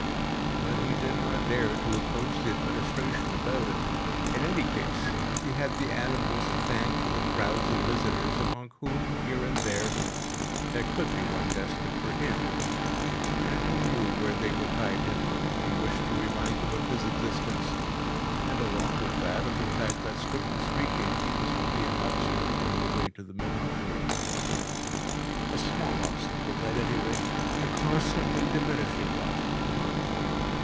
But he did not dare to approach the administration about it. In any case, he had the animals to thank for the crowds of visitors among whom, here and there, there could be one destined for him. And who knew where they would hide him if he wished to remind them of his existence and, along with that, of the fact that, strictly speaking, he was only an obstacle on the way to the menagerie. A small obstacle, at any rate, a constantly diminishing obstacle.